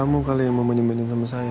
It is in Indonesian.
kamu kali yang mau manja manjain sama saya